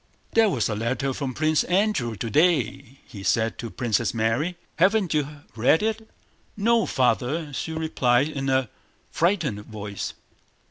"There was a letter from Prince Andrew today," he said to Princess Mary—"Haven't you read it?" "No, Father," she replied in a frightened voice.